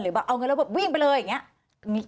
หรือว่าเอาเงินไปแล้ววิ่งไปเลยอย่างนี้